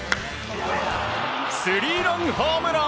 スリーランホームラン！